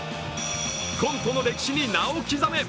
コントの歴史に名を刻め！